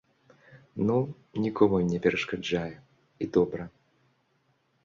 Ну, нікому не перашкаджае і добра.